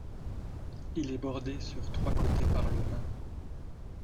Il est bordé sur trois côtés par le Main.